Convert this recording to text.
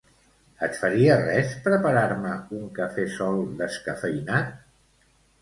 Et faria res preparar-me un cafè sol descafeïnat?